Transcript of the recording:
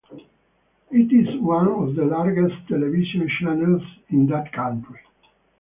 It is one of the largest television channels in that country.